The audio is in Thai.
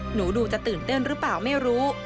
หนูดูจะตื่นเต้นหรือเปล่าไม่รู้